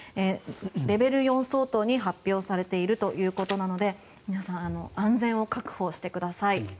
レベル４相当が発表されているということなので皆さん安全を確保してください。